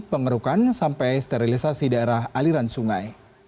pengerukan sampai sterilisasi daerah aliran sungai